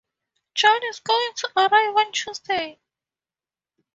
John is going to arrive on Tuesday.